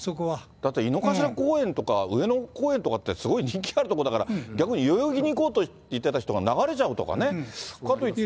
だって井の頭公園だとか、上野公園とかって、すごい人気ある所だから、逆に代々木に行こうと言ってた人が流れちゃうとかね、かといって。